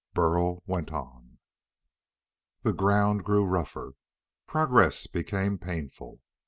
Burl went on. The ground grew rougher; progress became painful.